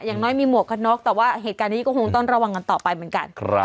อย่างน้อยมีหมวกกันน็อกแต่ว่าเหตุการณ์นี้ก็คงต้องระวังกันต่อไปเหมือนกัน